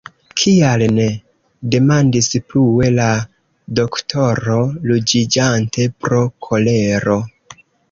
Kial ne? demandis plue la doktoro, ruĝiĝante pro kolero.